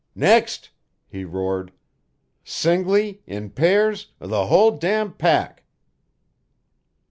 "Next!" he roared. "Singly, in pairs, or the whole damned pack!"